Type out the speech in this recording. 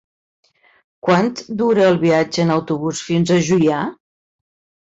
Quant dura el viatge en autobús fins a Juià?